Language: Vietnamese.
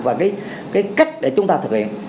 và cái cách để chúng ta thực hiện